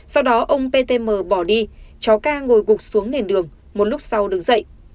sau đó ông ptm bỏ đi cháu k ngồi gục xuống nền đường một lúc sau được dậy